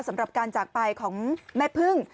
สำหรับการจากไปของแม่พึ่ง